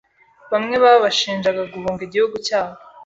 bamwe babashinjaga guhunga igihugu cyabo